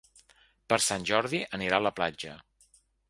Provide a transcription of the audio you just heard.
Per Sant Jordi anirà a la platja.